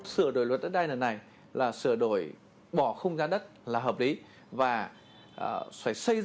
sửa đổi luật đất đai này là sửa đổi bỏ không giá đất là hợp lý